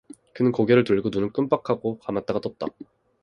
그는 고개를 돌리고 눈을 꿈벅 하고 감았다가 떴다.